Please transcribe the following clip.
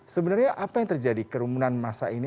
sebenarnya apa yang terjadi kerumunan masa ini